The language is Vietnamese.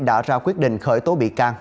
đã ra quyết định khởi tố bị can